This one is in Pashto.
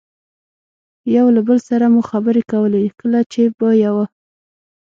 یو له بل سره مو خبرې کولې، کله چې به یوه.